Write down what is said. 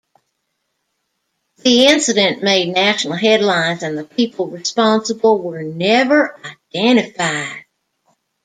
The incident made national headlines and the people responsible were never identified.